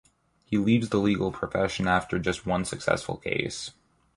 He leaves the legal profession after just one successful case.